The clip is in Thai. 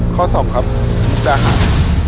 ข้อ๒ครับมุกดาหาร